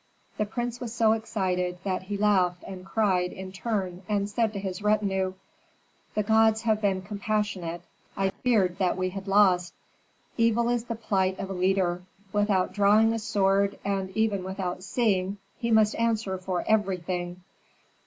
The prince was so excited, that he laughed and cried in turn and said to his retinue, "The gods have been compassionate. I feared that we had lost. Evil is the plight of a leader; without drawing a sword and even without seeing, he must answer for everything!"